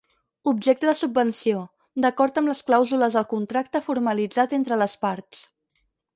Objecte de subvenció, d'acord amb les clàusules del contracte formalitzat entre les parts.